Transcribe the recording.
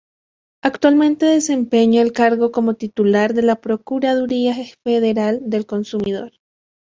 Actualmente desempeña el cargo como titular de la Procuraduría Federal del Consumidor.